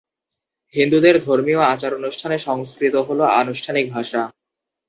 হিন্দুদের ধর্মীয় আচার-অনুষ্ঠানে সংস্কৃত হল আনুষ্ঠানিক ভাষা।